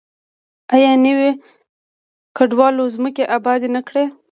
آیا نویو کډوالو ځمکې ابادې نه کړې؟